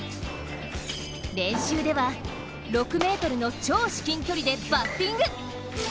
練習では６ｍの超至近距離でバッティング。